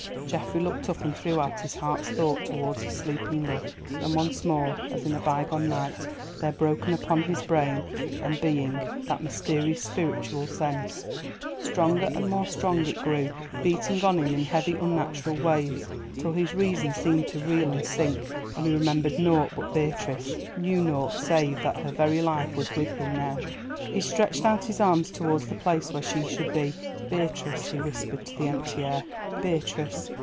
Geoffrey looked up and threw out his heart's thought towards his sleeping love. Then once more, as in a bygone night, there broke upon his brain and being that mysterious spiritual sense. Stronger and more strong it grew, beating on him in heavy unnatural waves, till his reason seemed to reel and sink, and he remembered naught but Beatrice, knew naught save that her very life was with him now. He stretched out his arms towards the place where she should be. "Beatrice," he whispered to the empty air, "Beatrice!